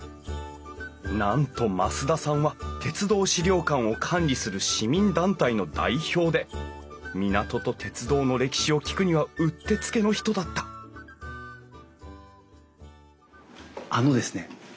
なんと増田さんは鉄道資料館を管理する市民団体の代表で「港と鉄道」の歴史を聞くにはうってつけの人だったあのですね